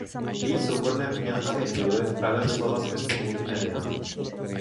Její souborné umělecké dílo je v pravém slova smyslu multimediální.